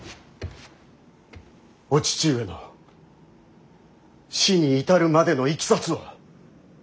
お父上の死に至るまでのいきさつを。